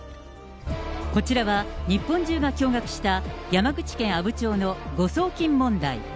こちらは、日本中が驚愕した山口県阿武町の誤送金問題。